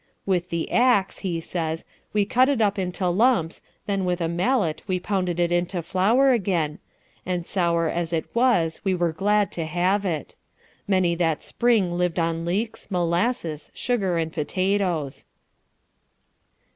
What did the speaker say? "With the axe," he says, "we cut it up into lumps, then with a mallet we pounded it into flour again, and sour as it was, we were glad to have it. Many that spring lived on leeks, molasses, sugar and potatoes."